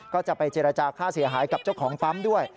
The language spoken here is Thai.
ก็จะไปเจรจาค่าเสียหายกับเจ้าของปั๊มด้วย